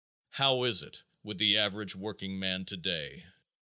How is it with the average workingman today?